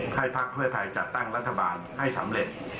ภักดิ์เพื่อไทยจัดตั้งรัฐบาลให้สำเร็จ